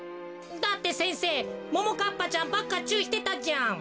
だって先生ももかっぱちゃんばっかちゅういしてたじゃん。